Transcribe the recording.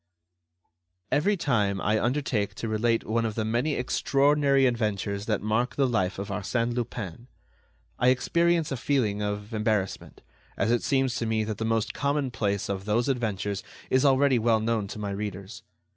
Every time I undertake to relate one of the many extraordinary adventures that mark the life of Arsène Lupin, I experience a feeling of embarrassment, as it seems to me that the most commonplace of those adventures is already well known to my readers.